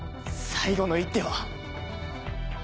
最後の一手は。